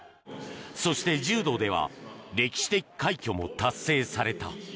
そして、柔道では歴史的快挙も達成された。